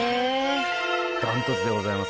断トツでございます。